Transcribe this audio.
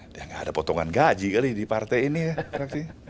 dia nggak ada potongan gaji kali di partai ini ya